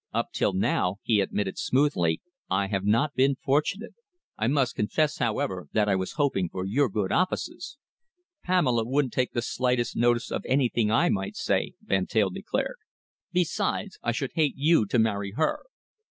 "Up till now," he admitted smoothly, "I have not been fortunate. I must confess, however, that I was hoping for your good offices." "Pamela wouldn't take the slightest notice of anything I might say," Van Teyl declared. "Besides, I should hate you to marry her."